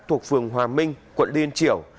thuộc phường hòa minh quận liên triểu